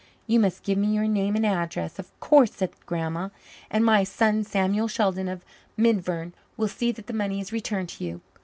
"You must give me your name and address, of course," said Grandma, "and my son Samuel Sheldon of Midverne will see that the money is returned to you.